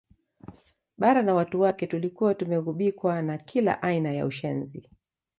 Bara na watu wake tulikuwa tumeghubikwa na kila aina ya ushenzi